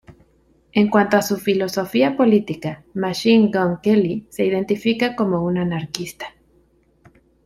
En cuanto a su filosofía política, Machine Gun Kelly se identifica como un anarquista.